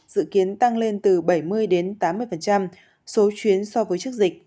dự kiến tăng lên từ bảy mươi đến tám mươi số chuyến so với trước dịch